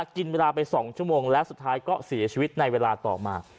กินเวลาไป๒ชั่วโมงแล้วสุดท้ายก็เสียชีวิตในเวลาต่อมา